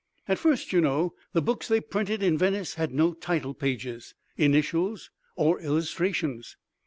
At first, you know, the books they printed in Venice had no title pages, initials or illustrations.